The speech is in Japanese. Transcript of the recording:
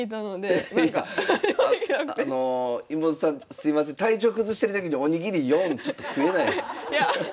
すいません体調崩してる時にお握り４ちょっと食えないっす。